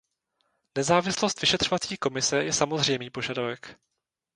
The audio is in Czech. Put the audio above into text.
Nezávislost vyšetřovací komise je samozřejmý požadavek.